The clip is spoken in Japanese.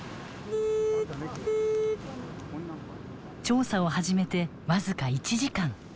調査を始めて僅か１時間。